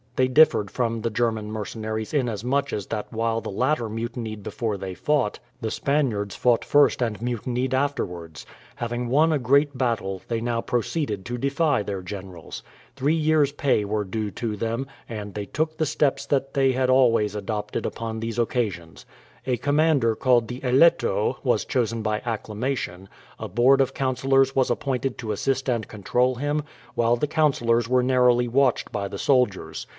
They differed from the German mercenaries inasmuch that while the latter mutinied before they fought, the Spaniards fought first and mutinied afterwards. Having won a great battle, they now proceeded to defy their generals. Three years' pay were due to them, and they took the steps that they always adopted upon these occasions. A commander called the "Eletto" was chosen by acclamation, a board of councillors was appointed to assist and control him, while the councillors were narrowly watched by the soldiers.